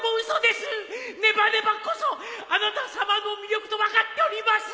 ねばねばこそあなたさまの魅力と分かっております！